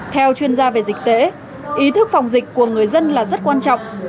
theo chuyên gia về dịch tễ ý thức phòng dịch của người dân là rất quan trọng